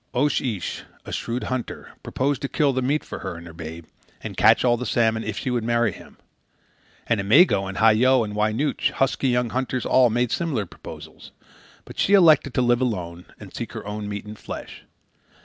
Oche Ish, a shrewd hunter, proposed to kill the meat for her and her babe, and catch the salmon, if she would marry him. And Imego and Hah Yo and Wy Nooch, husky young hunters all, made similar proposals. But she elected to live alone and seek her own meat and fish.